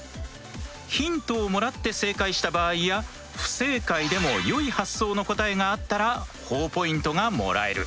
ヒントをもらって正解した場合や不正解でも良い発想の答えがあったらほぉポイントがもらえる。